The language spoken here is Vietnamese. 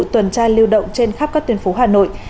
tuần tra lưu động trên khắp các tuyến phố hà nội